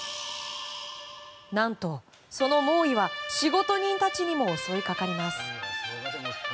何と、その猛威は仕事人たちにも襲いかかります。